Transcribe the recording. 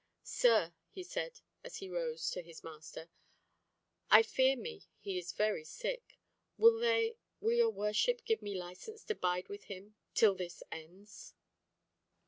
"Sir," he said, as he rose to his master, "I fear me he is very sick. Will they—will your worship give me licence to bide with him till this ends?"